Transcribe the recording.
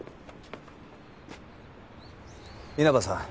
稲葉さん